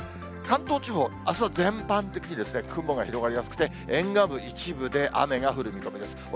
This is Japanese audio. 関東地方、あすは全般的に雲が広がりやすくて、沿岸部、一部で雨が降る見込みです。